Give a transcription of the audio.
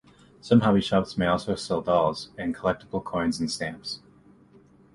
Some hobby shops may also sell dolls, and collectible coins and stamps.